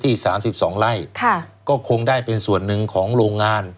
๓๒ไร่ก็คงได้เป็นส่วนหนึ่งของโรงงาน